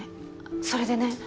それでね。